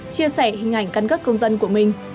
chia sẻ hình ảnh căn cước công dân của mình